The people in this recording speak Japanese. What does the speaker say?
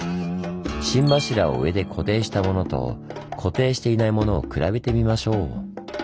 心柱を上で固定したものと固定していないものを比べてみましょう。